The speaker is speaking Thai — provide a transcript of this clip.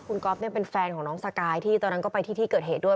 คุณก๊อฟเป็นแฟนของน้องสกายที่ตอนนั้นก็ไปที่ที่เกิดเหตุด้วย